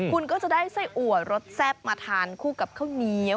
คุณก็จะได้ไส้อัวรสแซ่บมาทานคู่กับข้าวเหนียว